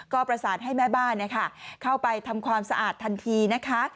ก็ประสานให้แม่บ้านเข้าไปทำความสะอาดทันทีนะคะ